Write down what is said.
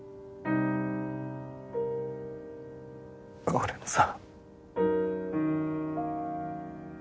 俺のさ。